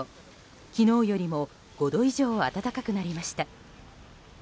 昨日よりも５度以上暖かくなりました。